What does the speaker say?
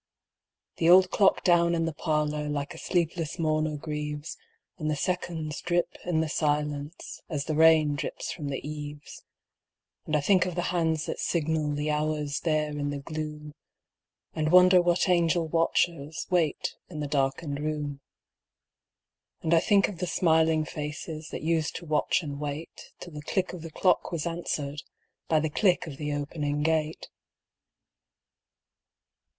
The old clock down in the parlor Like a sleepless mourner grieves, And the seconds drip in the silence As the rain drips from the eaves. And I think of the hands that signal The hours there in the gloom, And wonder what angel watchers Wait in the darkened room. And I think of the smiling faces That used to watch and wait, Till the click of the clock was answered By the click of the opening gate.